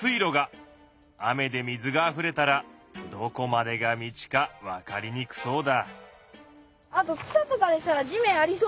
雨で水があふれたらどこまでが道か分かりにくそうだ。